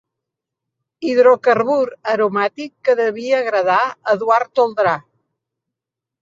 Hidrocarbur aromàtic que devia agradar Eduard Toldrà.